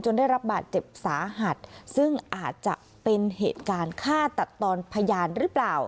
ได้รับบาดเจ็บสาหัสซึ่งอาจจะเป็นเหตุการณ์ฆ่าตัดตอนพยานหรือเปล่า